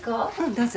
どうぞ。